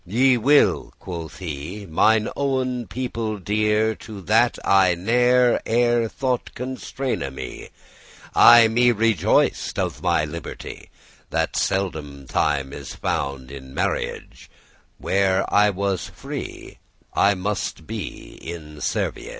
"Ye will," quoth he, "mine owen people dear, To that I ne'er ere* thought constraine me. *before I me rejoiced of my liberty, That seldom time is found in rnarriage; Where I was free, I must be in servage!